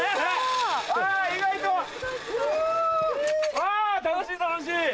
あ楽しい楽しい！